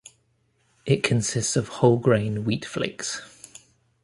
It consists of whole grain wheat flakes.